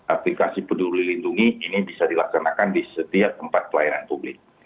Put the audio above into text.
aplikasi peduli lindungi ini bisa dilaksanakan di setiap tempat pelayanan publik